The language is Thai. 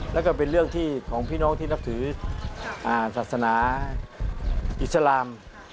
แล้วก็เป็นเรื่องที่ของพี่น้องที่นับถือศาสนาอิสลาม